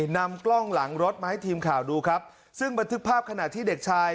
นำกล้องหลังรถมาให้ทีมข่าวดูครับซึ่งบันทึกภาพขณะที่เด็กชาย